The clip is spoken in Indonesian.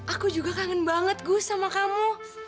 aku juga kangen banget gus sama kamu